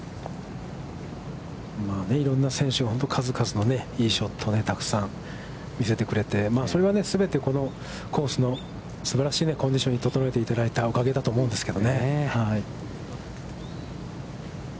いろんな数々のいいショットをたくさん見せてくれて、それは全てこのコースのすばらしいコンディションに整えていただいたおかげだと思うんですけどね。